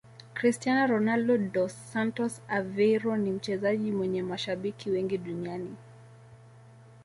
Cristiano Ronaldo dos Santos Aveiro ni mchezaji mwenye mashabiki wengi duniani